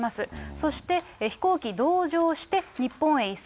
そして飛行機、同乗して、日本へ移送。